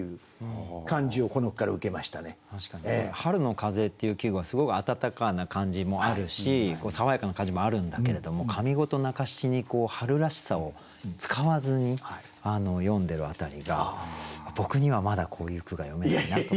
確かに「春の風」っていう季語はすごく暖かな感じもあるし爽やかな感じもあるんだけれども上五と中七に春らしさを使わずに詠んでる辺りが僕にはまだこういう句が詠めないなと。